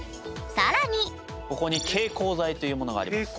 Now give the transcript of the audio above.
更にここに蛍光剤というものがあります。